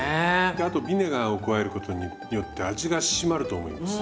あとビネガーを加えることによって味が締まると思います。